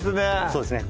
そうですね